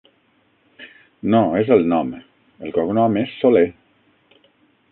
No, és el nom. El cognom és Solé.